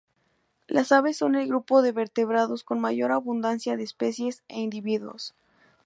Las aves son el grupo de vertebrados con mayor abundancia de especies e individuos.